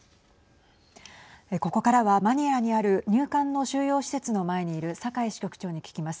ここからはマニラにある入管の収容施設の前にいる酒井支局長に聞きます。